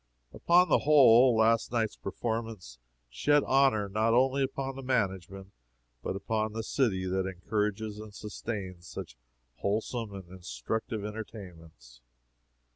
"Upon the whole, last night's performances shed honor not only upon the management but upon the city that encourages and sustains such wholesome and instructive entertainments.